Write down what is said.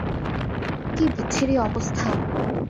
কি বিচ্ছিরি অবস্থা!